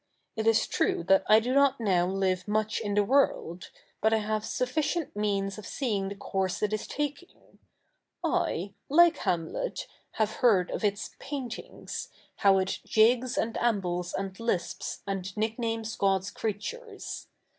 It is true that I do not now live 7nuch in the world; but I have sufficient means of seeing the course it is taki7ig. I, like Ha77ilet, have heard of its ^^ paint i7igs,^^ how it ''figs a7id a77ibles a7id lisps, a7id 7iick na7nes God^s creatu7'es.